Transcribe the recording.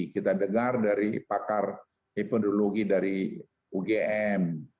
kita dengar dari pakar epidemiologi dari ugm